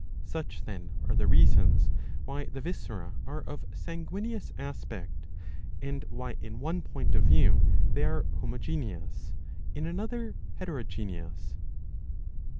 '^ Such then are the reasons why the viscera are of sanguineous aspect ; and why in one point of view they are homogeneous, in another heterogeneous.